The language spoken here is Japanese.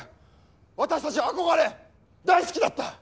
私たちは憧れ大好きだった。